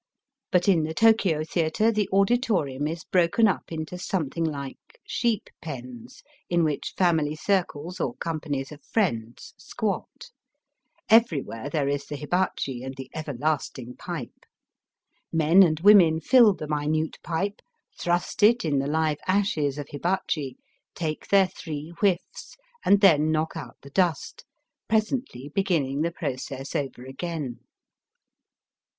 But in the Tokio theatre the auditorium is broken up into some thing like sheep pens, in which family circles or companies of friends squat. Everywhere there is the hibachi and the everlasting pipe. Men and women fill the minute pipe, thrust it in the live ashes of hibachi, take their three whiffs, and then knock out the dust, presently beginning the process over again.